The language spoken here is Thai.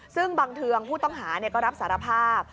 ซึ่งบังเทืองผู้ต้องหาก็รับสารภาพ